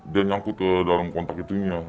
dia nyangkut ke dalam kontak itu nya